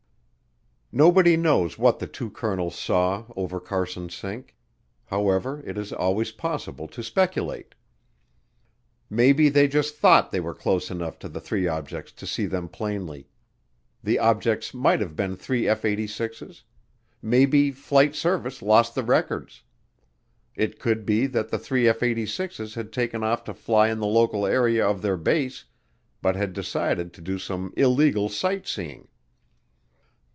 Nobody knows what the two colonels saw over Carson Sink. However, it is always possible to speculate. Maybe they just thought they were close enough to the three objects to see them plainly. The objects might have been three F 86's: maybe Flight Service lost the records. It could be that the three F 86's had taken off to fly in the local area of their base but had decided to do some illegal sight seeing.